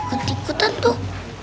gerti jadi ikut ikutan tuh